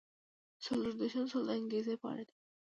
څلور دېرشم سوال د انګیزې په اړه دی.